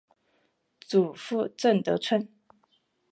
祖父郑得春。